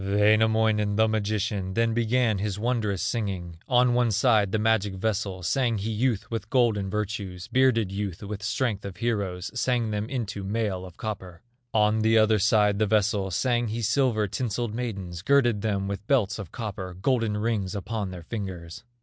Wainamoinen, the magician, Then began his wondrous singing. On one side the magic vessel, Sang he youth with golden virtues, Bearded youth with strength of heroes, Sang them into mail of copper. On the other side the vessel, Sang he silver tinselled maidens, Girded them with belts of copper, Golden rings upon their fingers.